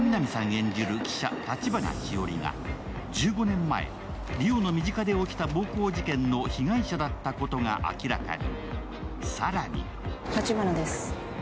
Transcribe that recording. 演じる記者・橘しおりが１５年前、梨央の身近で起きた暴行事件の被害者だったことが明らかに。